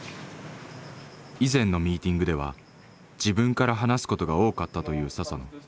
以前のミーティングでは自分から話すことが多かったという佐々野。